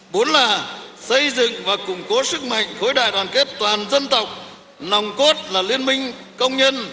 bốn là xây dựng và củng cố sức mạnh khối đại đoàn kết toàn dân tộc nòng cốt là liên minh công nhân